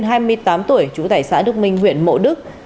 trần ngọc thiên hai mươi tám tuổi chủ tải xã đức minh huyện mộ đức